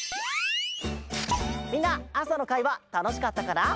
みんな朝の会はたのしかったかな？